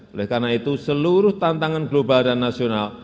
oleh karena itu seluruh tantangan global dan nasional